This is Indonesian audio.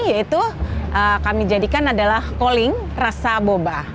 yaitu kami jadikan adalah coling rasa boba